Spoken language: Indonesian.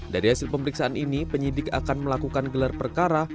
dari hasil pemeriksaan ini penyidik akan melakukan gelar perkara